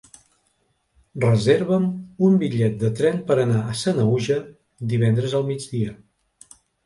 Reserva'm un bitllet de tren per anar a Sanaüja divendres al migdia.